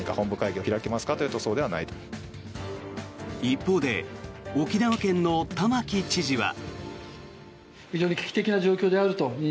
一方で沖縄県の玉城知事は。